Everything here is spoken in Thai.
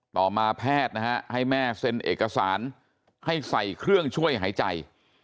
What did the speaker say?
มาแพทย์นะฮะให้แม่เซ็นเอกสารให้ใส่เครื่องช่วยหายใจ